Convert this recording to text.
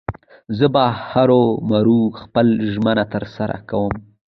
زه به هرو مرو خپله ژمنه تر سره کوم.